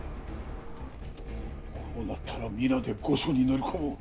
こうなったら皆で御所に乗り込もう。